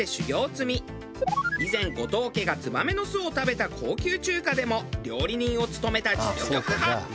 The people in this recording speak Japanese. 以前後藤家がツバメの巣を食べた高級中華でも料理人を務めた実力派。